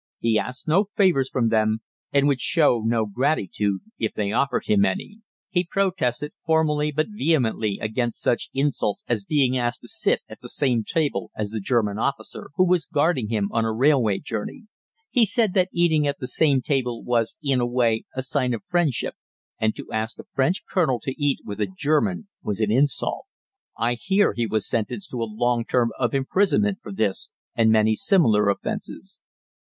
He asked no favors from them, and would show no gratitude if they offered him any. He protested formally but vehemently against such insults as being asked to sit at the same table as the German officer who was guarding him on a railway journey. He said that eating at the same table was in a way a sign of friendship, and to ask a French colonel to eat with a German was an insult. I hear he was sentenced to a long term of imprisonment for this and many similar offenses.